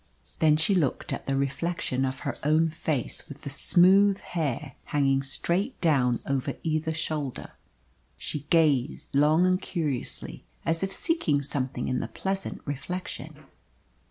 Then she looked at the reflection of her own face with the smooth hair hanging straight down over either shoulder. She gazed long and curiously as if seeking something in the pleasant reflection.